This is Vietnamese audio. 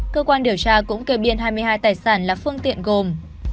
cơ quan điều tra cũng kê biên hai mươi hai tài sản là phương tiện gồm